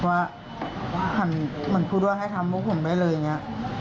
ว่ามันพูดว่าให้ทำพวกผมได้เลยเนี่ย